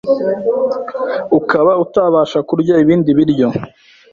ukaba utabasha kurya ibindi biryo